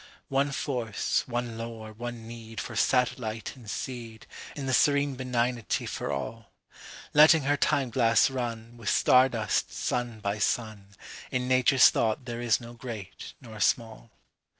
One force, one lore, one needFor satellite and seed, In the serene benignity for all. Letting her time glass runWith star dust, sun by sun, In Nature's thought there is no great nor small.